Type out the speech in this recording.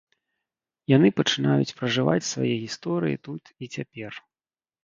Яны пачынаюць пражываць свае гісторыі тут і цяпер.